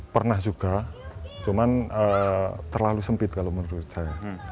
pernah juga cuman terlalu sempit kalau menurut saya